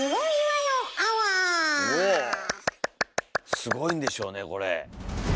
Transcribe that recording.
すごいんでしょうねこれ。